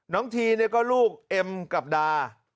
ทีเนี่ยก็ลูกเอ็มกับดา